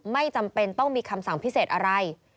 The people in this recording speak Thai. ไม่จำเป็นต้องมีคำสั่งพิเศษอะไร